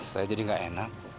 saya jadi gak enak